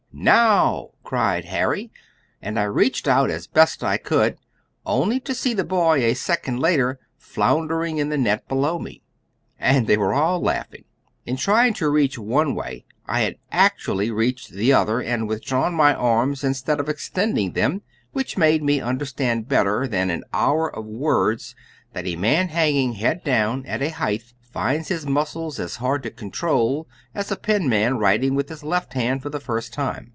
"Now," cried Harry, and I reached out as best I could, only to see the boy, a second later, floundering in the net below me. And they all were laughing. In trying to reach one way I had actually reached the other, and withdrawn my arms instead of extending them, which made me understand better than an hour of words that a man hanging head down at a height finds his muscles as hard to control as a penman writing with his left hand for the first time.